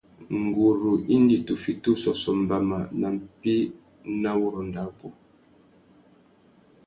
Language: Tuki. Nguru indi tu fiti ussôssô mbama nà mpí nà wurrôndô abú.